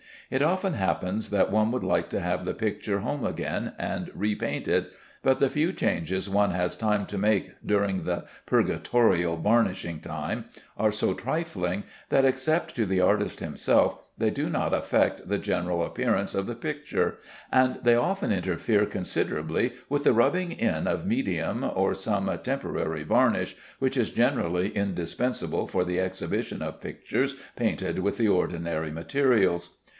It often happens that one would like to have the picture home again and repaint it, but the few changes one has time to make during the purgatorial varnishing time are so trifling, that, except to the artist himself, they do not affect the general appearance of the picture, and they often interfere considerably with the rubbing in of medium or some temporary varnish, which is generally indispensable for the exhibition of pictures painted with the ordinary materials.